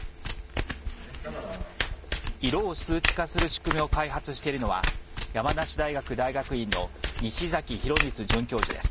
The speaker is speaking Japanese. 色を数値化する仕組みを開発しているのは山梨大学大学院の西崎博光准教授です。